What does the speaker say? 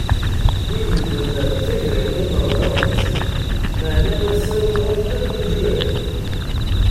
Lulen-d mbeɛd tagrawla n ṛebɛa uxemsin maɛna ass-a uɣalen akk imjuhad.